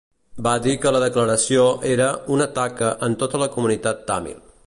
Va dir que la declaració era "una taca en tota la comunitat tàmil".